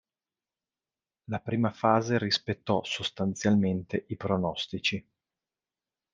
La prima fase rispettò, sostanzialmente, i pronostici.